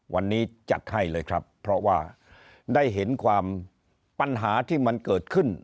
วันนี้จัดให้เลยครับเพราะว่าได้เห็นความปัญหาที่มันเกิดขึ้น